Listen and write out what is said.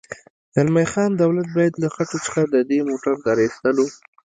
زلمی خان: دولت باید له خټو څخه د دې موټرو د را اېستلو.